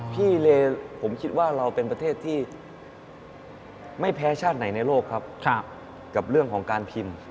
พี่เลผมคิดว่าเราเป็นประเทศที่ไม่แพ้ชาติไหนในโลกครับกับเรื่องของการพิมพ์